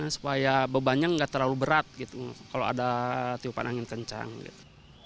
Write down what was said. supaya bebannya nggak terlalu berat gitu kalau ada tiupan angin kencang gitu